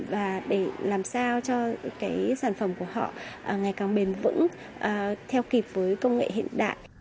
và để làm sao cho sản phẩm của họ ngày càng bền vững theo kịp với công nghệ hiện đại